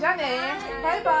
バイバイ。